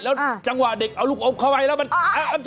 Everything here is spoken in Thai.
แล้วจังหวะเด็กเอาลูกอมเข้าไปแล้วมัน